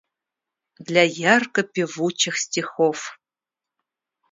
Для ярко певучих стихов